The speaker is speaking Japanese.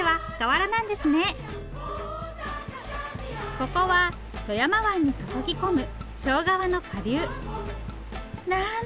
ここは富山湾に注ぎ込む庄川の下流。なんて